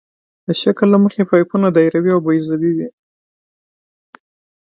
د شکل له مخې پایپونه دایروي او بیضوي وي